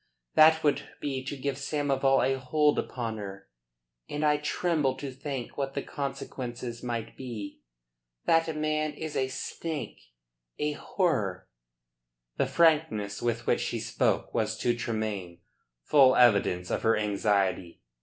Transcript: That would be to give Samoval a hold upon her; and I tremble to think what the consequences might be. That man is a snake a horror." The frankness with which she spoke was to Tremayne full evidence of her anxiety.